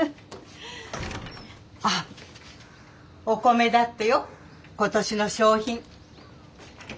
あお米だってよ今年の賞品。